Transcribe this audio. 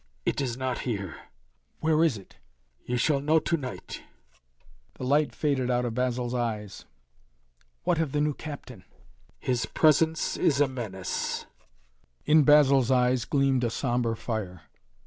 "It is not here." "Where is it?" "You shall know to night!" The light faded out of Basil's eyes. "What of the new captain?" "His presence is a menace." In Basil's eyes gleamed a sombre fire.